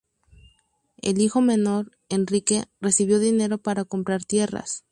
El hijo menor, Enrique, recibió dinero para comprar tierras.